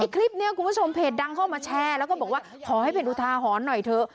คลิปนี้คุณผู้ชมเพจดังเข้ามาแชร์แล้วก็บอกว่าขอให้เป็นอุทาหรณ์หน่อยเถอะ